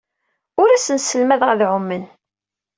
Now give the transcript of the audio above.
Ur asen-sselmadeɣ ad ɛumen.